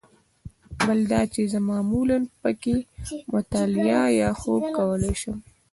بل دا چې زه معمولاً په کې مطالعه یا خوب کولای شم.